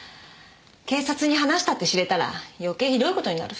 警察に話したって知れたら余計ひどい事になる。